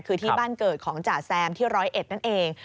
คือที่บ้านเกิดของจ่าแซมที่๑๐๑นั่นเอง